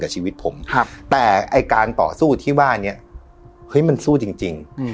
กับชีวิตผมครับแต่ไอ้การต่อสู้ที่ว่านี้เฮ้ยมันสู้จริงจริงอืม